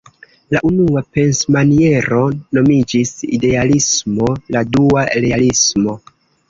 La unua pensmaniero nomiĝis "Idealismo", la dua "Realismo".